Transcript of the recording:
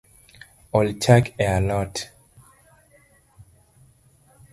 Ool chak e alot